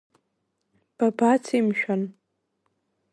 Бабацеи мшәан?